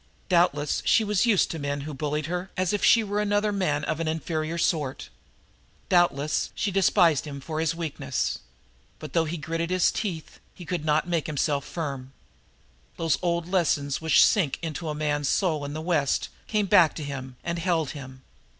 Doubtless she was used to men who bullied her, as if she were another man of an inferior sort. Doubtless she despised him for his weakness. But, though he gritted his teeth, he could not make himself firm. Those old lessons which sink into a man's soul in the West came back to him and held him.